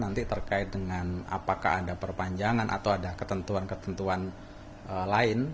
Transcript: nanti terkait dengan apakah ada perpanjangan atau ada ketentuan ketentuan lain